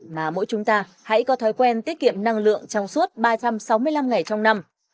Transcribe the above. mà mỗi chúng ta hãy có thói quen tiết kiệm năng lượng trong suốt ba trăm sáu mươi năm ngày trong năm